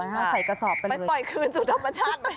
ไม่ปล่อยคืนสุดมชาติ